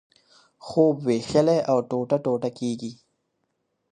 خوب وېشلی او ټوټه ټوټه کېږي.